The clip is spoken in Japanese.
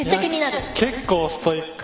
結構ストイック。